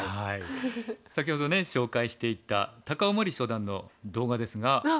先ほどね紹介していた高雄茉莉初段の動画ですが。